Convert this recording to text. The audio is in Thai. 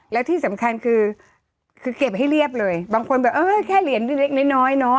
แล้วที่สำคัญคือคือเก็บให้เรียบเลยบางคนแบบเออแค่เหรียญเล็กน้อยเนาะ